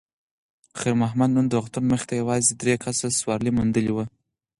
خیر محمد نن د روغتون مخې ته یوازې درې کسه سوارلي موندلې وه.